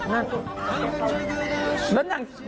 นั่นมั้ย